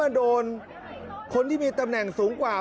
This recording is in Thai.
มันโดนคนที่มีตำแหน่งสูงกว่า